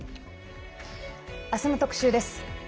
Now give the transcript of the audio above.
明日の特集です。